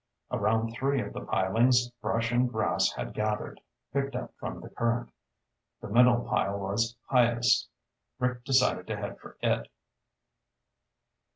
Around three of the pilings brush and grass had gathered, picked up from the current. The middle pile was highest. Rick decided to head for it.